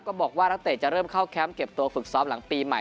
บอกว่านักเตะจะเริ่มเข้าแคมป์เก็บตัวฝึกซ้อมหลังปีใหม่